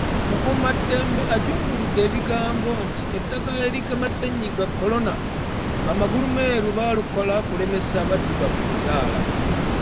Mukuumaddamula ajunguludde ebigambibwa nti eddagala erigema Ssennyiga kolona bamagulumeeru baalikola kulemesa baddugavu kuzaala.